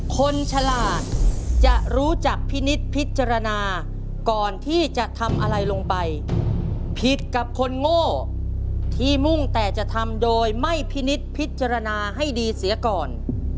ฉลาดจะรู้จักพินิษฐ์พิจารณาก่อนที่จะทำอะไรลงไปผิดกับคนโง่ที่มุ่งแต่จะทำโดยไม่พินิษฐ์พิจารณาให้ดีเสียก่อน